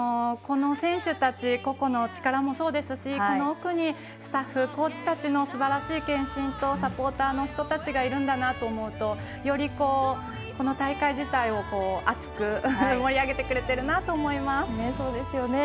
選手たち個々の力もそうですしその奥にスタッフ、コーチたちのすばらしい献身とサポーターの人たちがいるんだなと思うとより、この大会自体を熱く盛り上げてくれてるなと思います。